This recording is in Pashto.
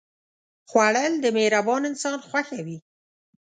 خوړل د مهربان انسان خوښه وي